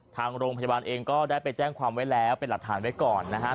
ทางโรงพยาบาลเองก็ได้ไปแจ้งความไว้แล้วเป็นหลักฐานไว้ก่อนนะฮะ